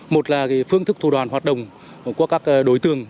một là phương thức thủ đoàn hoạt động của các đối tượng